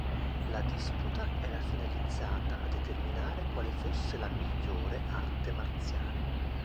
La disputa era finalizzata a determinare quale fosse la 'migliore' arte marziale.